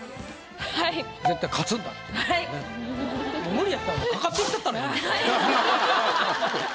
無理やったらかかっていったったらええ。